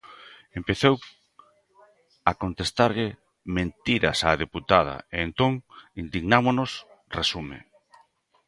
"Empezou a contestarlle mentiras á deputada e entón, indignámonos", resume.